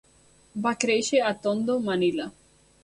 Va créixer a Tondo, Manila.